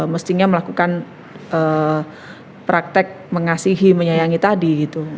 mestinya melakukan praktek mengasihi menyayangi tadi gitu